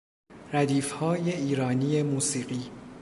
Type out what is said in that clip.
ردیف های ایرانی موسیقی